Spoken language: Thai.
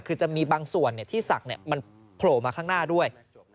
คือจะมีบางส่วนที่ศักดิ์มันโผล่มาข้างหน้าด้วย